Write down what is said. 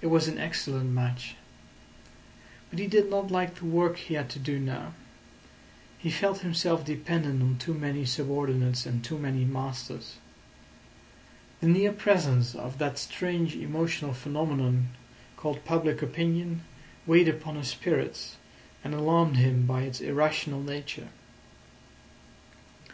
It was an excellent match. But he did not like the work he had to do now. He felt himself dependent on too many subordinates and too many masters. The near presence of that strange emotional phenomenon called public opinion weighed upon his spirits, and alarmed him by its irrational nature.